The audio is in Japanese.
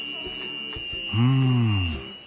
うん。